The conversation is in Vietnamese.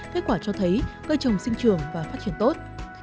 kết quả cho thấy cây trồng sinh trường và phát triển tốt